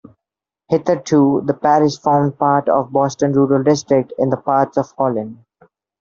Hitherto, the parish formed part of Boston Rural District, in the Parts of Holland.